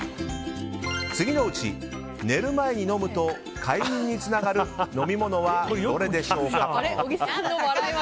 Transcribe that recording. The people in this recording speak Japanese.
次のうち、寝る前に飲むと快眠につながる飲み物はどれでしょうか？